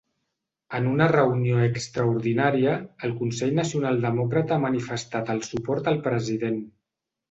En una reunió extraordinària, el consell nacional demòcrata ha manifestat el suport al president.